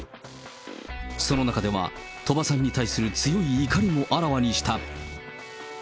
その中では、鳥羽さんに対する強い怒りもあらわにした。